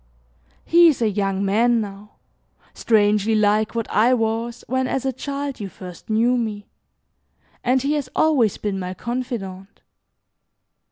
He is a young man now, strangely like what I was, when as a child, you first knew me, and he has always been my confidant.